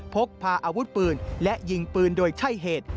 พกพาอาวุธปืนและยิงปืนโดยใช่เหตุ